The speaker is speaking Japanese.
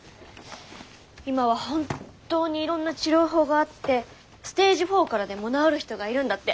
今は本当にいろんな治療法があってステージⅣからでも治る人がいるんだって。